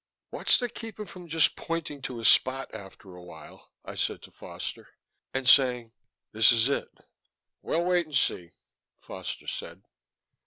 "What's to keep him from just pointing to a spot after a while," I said to Foster, "and saying 'This is it'?" "We'll wait and see," Foster said.